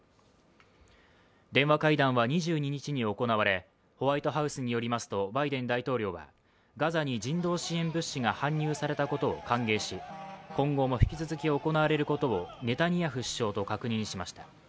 電話会談は２２日に行われ、ホワイトハウスによりますとバイデン大統領はガザに人道支援物資が搬入されたことを歓迎し今後も引き続き行われることをネタニヤフ首相と確認しました。